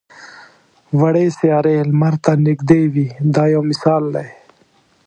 وړې سیارې لمر ته نږدې وي دا یو مثال دی.